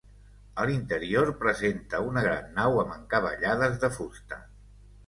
A l'interior presenta una gran nau amb encavallades de fusta.